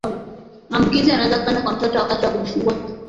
maambukizi yanaweza kwenda kwa mtoto wakati wa kujifungua